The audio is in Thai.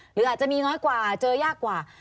หรืออาจจะมีน้อยกว่าเจอยากกว่า